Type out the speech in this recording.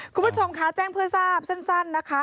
คุณผู้ชมคะแจ้งเพื่อทราบสั้นนะคะ